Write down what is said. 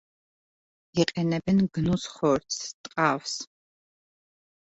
იყენებენ გნუს ხორცს, ტყავს.